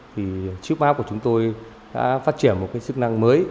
thì tripmap của chúng tôi đã phát triển một cái chức năng mới